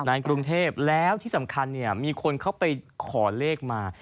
ในกรุงเทพแล้วที่สำคัญเนี่ยมีคนเข้าไปขอเลขมา